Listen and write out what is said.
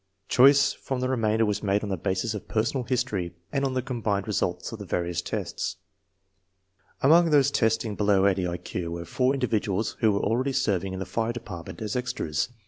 Choice from the re mainder was made on the basis of personal history, and on the combined results of the various tests. Among those testing below 80 1 Q were four individ uals who were already serving in the fire department as " extras."